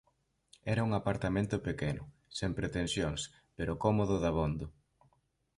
Era un apartamento pequeno, sen pretensións, pero cómodo dabondo.